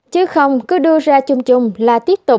chứ không cứ đưa ra chung chung là tiếp tục